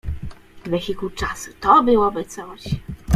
wehikuł czasu to byłoby coś